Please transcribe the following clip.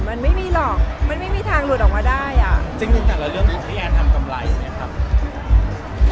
มันไม่มีหรอกมันไม่มีทางหลุดออกมาได้อ่ะจริงจริงแต่ละเรื่องอยู่ที่แอนทำกำไรไหมครับ